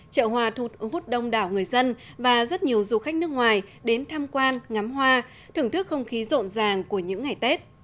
chợ hòa thu hút đông đảo người dân và rất nhiều du khách nước ngoài đến tham quan ngắm hoa thưởng thức không khí rộn ràng của những ngày tết